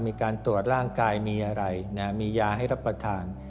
มีการตรวจร่างกายมีอะไรมียาให้รับประทาน